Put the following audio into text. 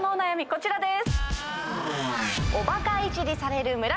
こちらです。